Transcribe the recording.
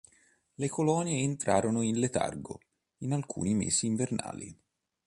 Le colonie entrano in letargo in alcuni mesi invernali.